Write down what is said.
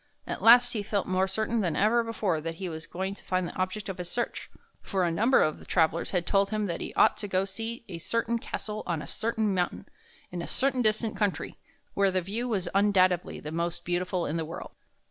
At last he felt more certain than ever before that he was going to find the object of his search, for a number of travelers had told him that he ought to go to see a certain castle on a certain mountain, in a certain distant country, where the view was undoubtedly the most beautiful in the world.